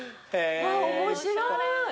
面白い。